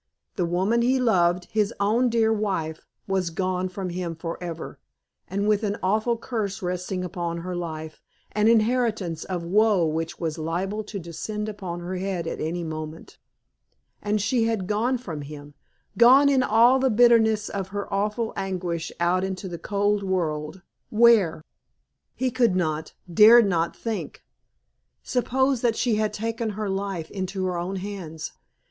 The woman he loved his own dear wife was gone from him forever, and with an awful curse resting upon her life, an inheritance of woe which was liable to descend upon her head at any moment. And she had gone from him, gone in all the bitterness of her awful anguish out into the cold world where? He could not, dared not think. Suppose that she had taken her life into her own hands?